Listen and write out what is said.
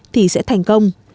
thì sẽ thành công